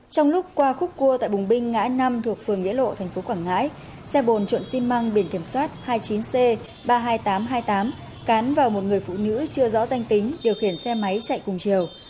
trong lúc qua khúc cua tại bùng binh ngã năm thuộc phường nghĩa lộ tp quảng ngãi xe bồn trộn xi măng biển kiểm soát hai mươi chín c ba mươi hai nghìn tám trăm hai mươi tám cán vào một người phụ nữ chưa rõ danh tính điều khiển xe máy chạy cùng chiều